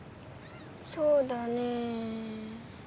そうだねぇ。